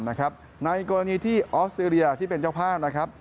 ในกรณีที่ออสเตอรียาที่เป็นเจ้าพร้อม